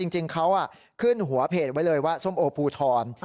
จริงเขาขึ้นหัวเพจไว้เลยว่าส้มโอภูทร